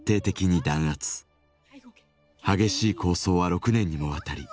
激しい抗争は６年にもわたり